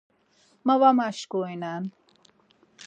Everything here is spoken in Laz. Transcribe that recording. Ma var maşǩurinen.